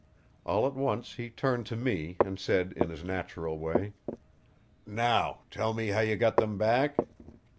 All at once he turned to me and said in his natural way: "Now tell me how you got them back?"